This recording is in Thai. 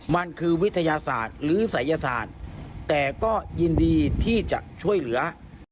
มันคือวิทยาศาสตร์หรือศัยศาสตร์แต่ก็ยินดีที่จะช่วยเหลือ